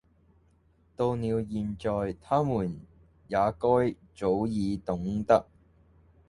到了現在，他們也該早已懂得，……